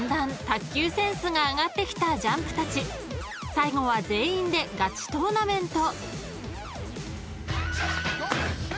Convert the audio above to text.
［最後は全員でガチトーナメント］